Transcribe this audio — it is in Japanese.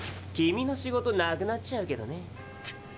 君の仕事なくなっちゃうけどね。